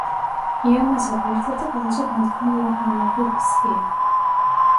იამაზაკი ერთ-ერთი ყველაზე განთქმული იაპონური ვისკია.